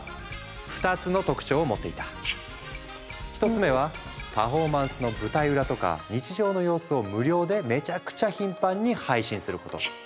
１つ目はパフォーマンスの舞台裏とか日常の様子を無料でめちゃくちゃ頻繁に配信すること。